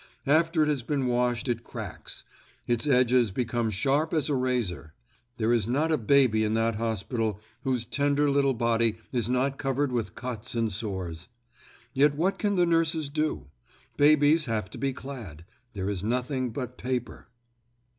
After it has been washed it cracks. Its edges become sharp as a razor. There is not a baby in that hospital whose tender little body is not covered with cuts and sores. Yet what can the nurses do? Babies have to be clad. There is nothing but paper.